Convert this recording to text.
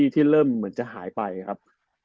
ที่เริ่มเหมือนจะหายไปครับ